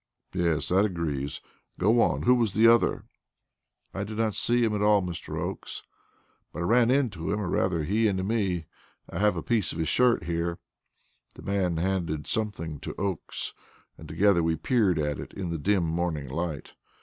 "Yes, that agrees. Go on. Who was the other?" "I did not see him at all, Mr. Oakes, but I ran into him, or rather he into me. I have a piece of his shirt here, sir." The man handed something to Oakes, and together we peered at it in the dim morning light.